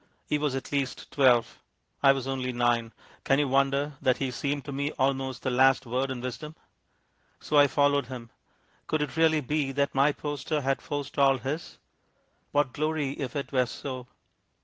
He was at least twelve; I was only nine. Can you wonder that he seemed to me almost the last word in wisdom? So I followed him. Could it really be that my poster had forstalled his? What glory if it were so!